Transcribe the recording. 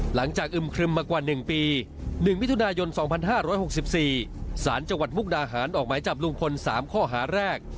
อึมครึมมากว่า๑ปี๑มิถุนายน๒๕๖๔สารจังหวัดมุกดาหารออกหมายจับลุงพล๓ข้อหาแรก